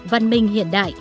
văn minh hiện đại